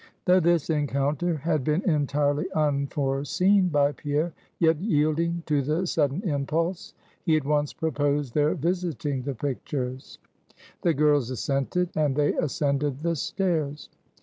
Though this encounter had been entirely unforeseen by Pierre, yet yielding to the sudden impulse, he at once proposed their visiting the pictures. The girls assented, and they ascended the stairs.